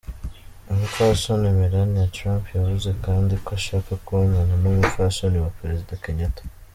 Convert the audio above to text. Umupfasoni Melania Trump yavuze kandi ko ashaka kubonana n'umupfasoni wa prezida Kenyatta.